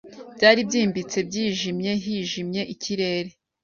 Byari byimbitse byijimye hijimye ikirere